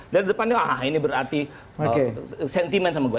dari depannya wah ini berarti sentimen sama gue